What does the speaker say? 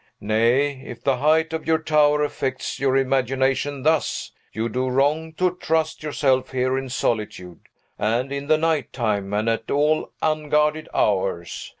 "Nay, if the height of your tower affects your imagination thus, you do wrong to trust yourself here in solitude, and in the night time, and at all unguarded hours.